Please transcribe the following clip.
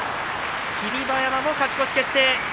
霧馬山も勝ち越し決定。